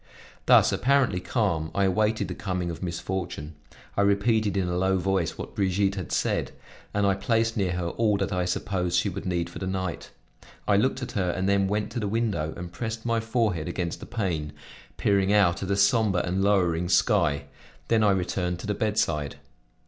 Thus, apparently calm, I awaited the coming of misfortune; I repeated in a low voice what Brigitte had said, and I placed near her all that I supposed she would need for the night; I looked at her, and then went to the window and pressed my forehead against the pane, peering out at a somber and lowering sky; then I returned to the bedside.